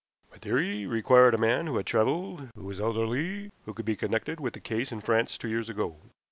My theory required a man who had traveled, who was elderly, who could be connected with the case in France two years ago.